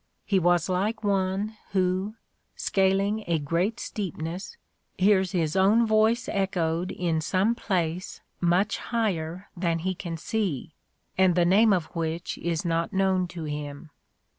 He was like one who, scaling a great steepness, hears his own voice echoed in some place much higher than he can see, and the name of which is not known to him.